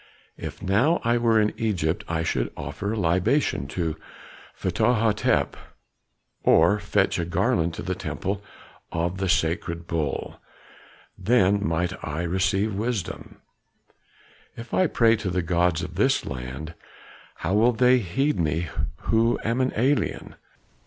If now I were in Egypt, I should offer a libation to Ptah Hotep, or fetch a garland to the temple of the sacred bull, then might I receive wisdom; if I pray to the gods of this land, how will they heed me who am an alien?"